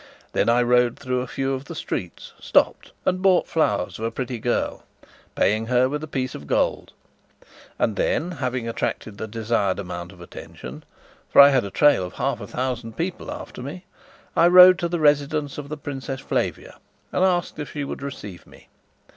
Then I rode through a few of the streets, stopped and bought flowers of a pretty girl, paying her with a piece of gold; and then, having attracted the desired amount of attention (for I had a trail of half a thousand people after me), I rode to the residence of the Princess Flavia, and asked if she would receive me.